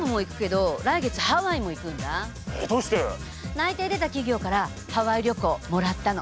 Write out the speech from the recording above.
内定出た企業からハワイ旅行もらったの。